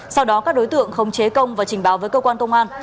sau đó các đối tượng không chế công và trình báo với cơ quan công an